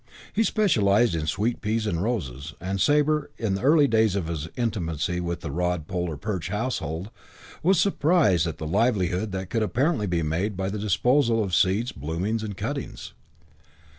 He specialised in sweet peas and roses; and Sabre, in the early days of his intimacy with the Rod, Pole or Perch household, was surprised at the livelihood that could apparently be made by the disposal of seeds, blooms and cuttings.